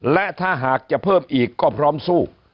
และถ้าหากจะเพิ่มอีกก็พร้อมสู้